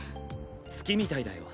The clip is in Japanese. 好きみたいだよ